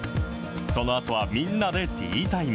そのあとはみんなでティータイム。